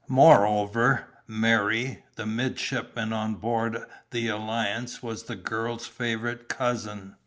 Moreover, Merry, the midshipman on board the Alliance was the girls' favorite cousin.